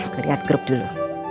karyat grup dulu